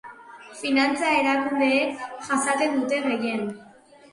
Finantza-erakundeek jasaten dute gehien.